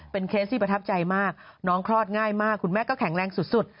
เคสที่ประทับใจมากน้องคลอดง่ายมากคุณแม่ก็แข็งแรงสุด